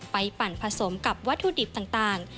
ปั่นผสมกับวัตถุดิบต่าง